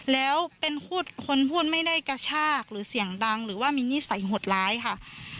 แล้วเป็นคนพูดไม่ได้กระชากหรือเสียงดังหรือว่ามีนิสัยหดร้ายค่ะ